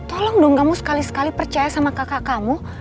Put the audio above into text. tolong dong kamu sekali sekali percaya sama kakak kamu